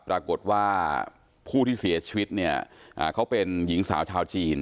ปรากฏว่าผู้ที่เสียชีวิตเนี่ยเขาเป็นหญิงสาวชาวจีน